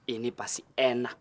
ini pasti enak